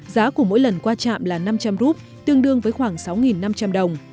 giá của mỗi lần qua trạm là năm trăm linh rup tương đương với khoảng sáu năm trăm linh đồng